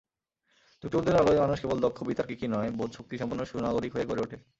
যুক্তিবোধের আলোয় মানুষ কেবল দক্ষ বিতার্কিকই নয়, বোধশক্তিসম্পন্ন সুনাগরিক হয়ে গড়ে ওঠে।